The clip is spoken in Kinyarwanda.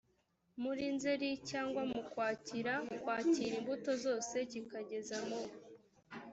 muri nzeri cyangwa mu kwakira kwakira imbuto zose kikageza mu